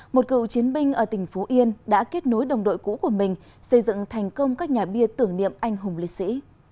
một cựu chiến binh ở tỉnh phú yên đã kết nối đồng đội cũ của mình xây dựng thành công các nhà bia tưởng niệm anh hùng liệt sĩ